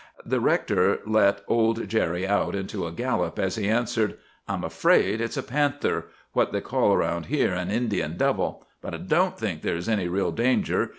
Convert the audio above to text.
"The rector let old Jerry out into a gallop, as he answered, 'I'm afraid it's a panther,—what they call around here an "Indian devil." But I don't think there is any real danger.